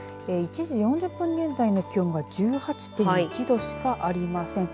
１時４０分現在の気温が１８．１度しかありません。